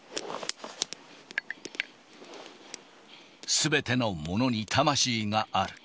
すべてのものに魂がある。